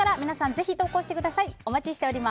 ぜひ投稿してください。